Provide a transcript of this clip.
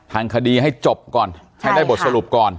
ทางคดีให้จบก่อนให้ได้บทสรุปก่อน